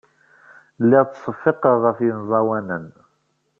Lliɣ ttseffiqeɣ ɣef yemẓawanen.